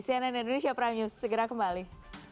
cnn indonesia prime news segera kembali